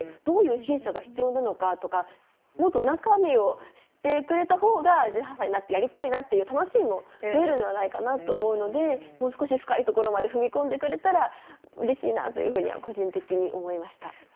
どういう審査が必要なのかとかもっと中身を知ってくれた方が１８歳になってやりたいなっていう楽しみも増えるんではないかなと思うのでもう少し深いところまで踏み込んでくれたらうれしいなというふうには個人的に思いました。